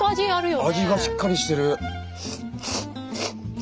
味がしっかりしてる。